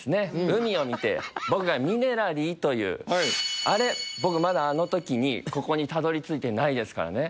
海を見て僕がミネラリーというあれ僕まだあの時にここにたどり着いてないですからね